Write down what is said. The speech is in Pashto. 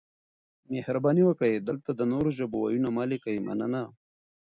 مهرباني وکړئ دلته د نورو ژبو وييونه مه لیکئ مننه